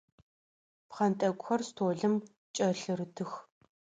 Пхъэнтӏэкӏухэр столым кӏэлъырытых.